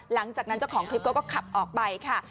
หลังจากนั้นเจ้าของคลิปเขาก็ขับออกไปค่ะ